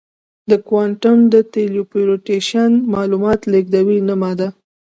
د کوانټم ټیلیپورټیشن معلومات لېږدوي نه ماده.